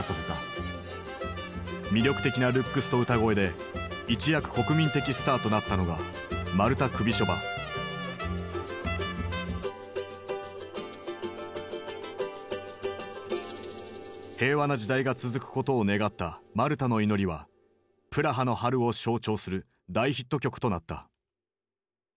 魅力的なルックスと歌声で一躍国民的スターとなったのが平和な時代が続くことを願った「マルタの祈り」は「プラハの春」を象徴する大ヒット曲となった。